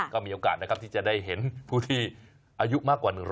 ก็มีโอกาสนะครับที่จะได้เห็นผู้ที่อายุมากกว่า๑๐๐